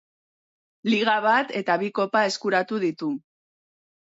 Liga bat eta bi kopa eskuratu ditu.